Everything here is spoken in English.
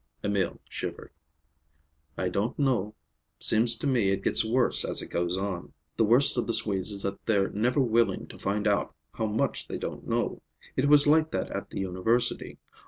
Emil shivered. "I don't know. Seems to me it gets worse as it goes on. The worst of the Swedes is that they're never willing to find out how much they don't know. It was like that at the University.